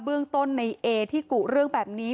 เบื้องต้นในเอที่กุเรื่องแบบนี้